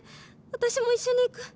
私も一緒に逝く」。